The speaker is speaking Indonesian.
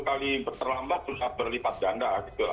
satu kali terlambat susah berlipat janda